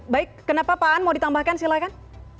baik kenapa pak aan mau ditambahkan silakan